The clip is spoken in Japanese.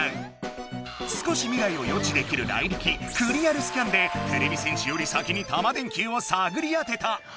少し未来を予知できるライリキ「クリアルスキャン」でてれび戦士より先にタマ電Ｑをさぐり当てた。